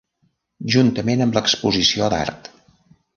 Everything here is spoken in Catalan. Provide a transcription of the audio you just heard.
Juntament amb l'exposició d'art.